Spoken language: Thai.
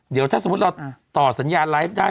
เดี๋ยวถ้าสมมุติเราต่อสัญญาณไลฟ์ได้